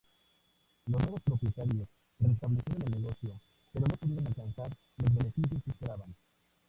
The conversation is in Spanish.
Los nuevos propietarios restablecieron el negocio pero no pudieron alcanzar los beneficios que esperaban.